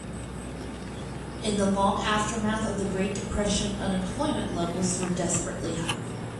In the long aftermath of the Great depression unemployment levels were desperately high.